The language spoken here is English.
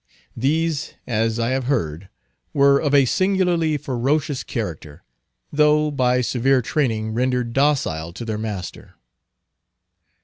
These, as I have heard, were of a singularly ferocious character, though by severe training rendered docile to their master.